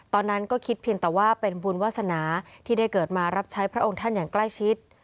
ตอนนั้นก็คิดเพียงแต่ว่าเป็นบุญวาสนาที่ได้เกิดมารับใช้พระองค์ท่านอย่างใกล้ชิด